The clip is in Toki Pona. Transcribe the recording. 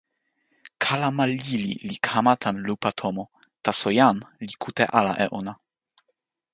kalama lili li kama tan lupa tomo, taso jan li kute ala e ona.